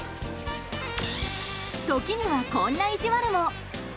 時には、こんな意地悪も。